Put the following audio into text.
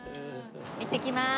行ってきます。